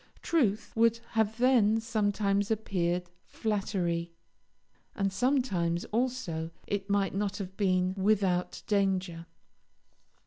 Truth would then have sometimes appeared flattery, and sometimes, also, it might not have been without danger.